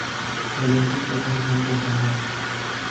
Walianzisha chanzo mpya cha maji.